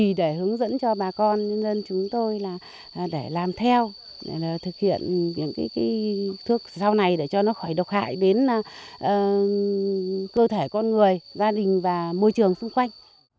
để hướng dẫn cho bà con nhân dân chúng tôi để làm theo để thực hiện những thuốc rau này để cho nó khỏi độc hại đến cơ thể con người gia đình và môi trường xung quanh